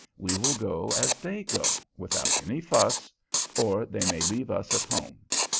We will go as they go, without any fuss, or they may leave us at home.